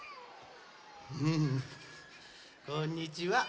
こんにちは。